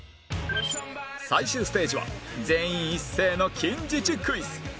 最終ステージは全員一斉の近似値クイズ